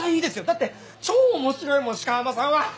だって超面白いもん鹿浜さんは！